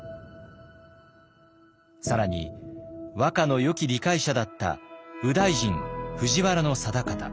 更に和歌のよき理解者だった右大臣藤原定方